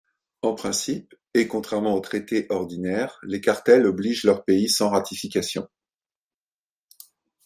En principe, et contrairement aux traités ordinaires, les cartels obligent leur pays sans ratification.